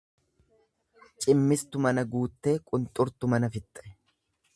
Cimmistu mana guuttee qunxurtu mana fixxe.